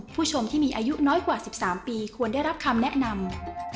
ผู้ชมที่มีอายุน้อยกว่า๑๓ปีควรได้รับคำแนะนำ